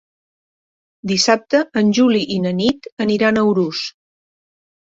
Dissabte en Juli i na Nit aniran a Urús.